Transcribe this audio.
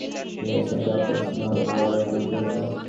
ইহাকে উড়াইয়া দিলে চলিবে না, ইহার সঙ্গে হয় আপস নয় লড়াই করিতে হইবে।